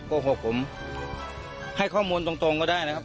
โกหกผมให้ข้อมูลตรงก็ได้นะครับ